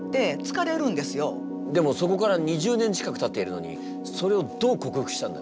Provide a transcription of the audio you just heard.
でもそこから２０年近くたっているのにそれをどう克服したんだ？